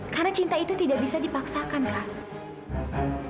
karena cinta itu tidak bisa dipaksakan kak